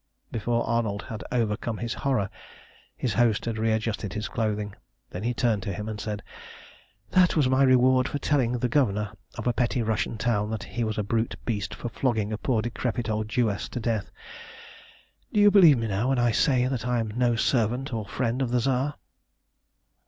Before Arnold had overcome his horror his host had re adjusted his clothing. Then he turned to him and said "That was my reward for telling the governor of a petty Russian town that he was a brute beast for flogging a poor decrepit old Jewess to death. Do you believe me now when I say that I am no servant or friend of the Tsar?"